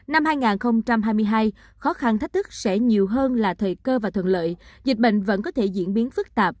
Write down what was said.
năm hai nghìn hai mươi hai khó khăn thách thức sẽ nhiều hơn là thời cơ và thuận lợi dịch bệnh vẫn có thể diễn biến phức tạp